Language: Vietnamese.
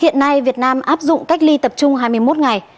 hiện nay việt nam áp dụng cách ly tập trung hai mươi một ngày